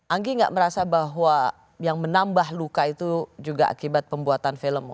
anggi nggak merasa bahwa yang menambah luka itu juga akibat pembuatan film